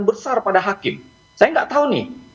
besar pada hakim saya nggak tahu nih